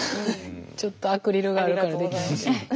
ちょっとアクリルがあるからできない。